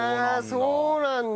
そうなんだ。